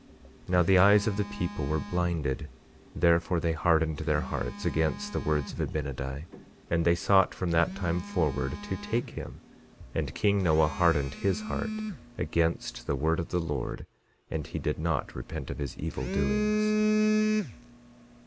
11:29 Now the eyes of the people were blinded; therefore they hardened their hearts against the words of Abinadi, and they sought from that time forward to take him. And king Noah hardened his heart against the word of the Lord, and he did not repent of his evil doings.